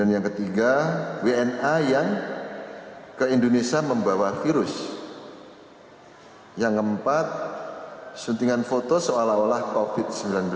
yang keempat suntingan foto seolah olah covid sembilan belas